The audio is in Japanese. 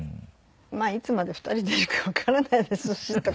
まあいつまで２人でいるかわからないですしとかって。